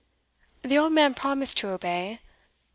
The old man promised to obey.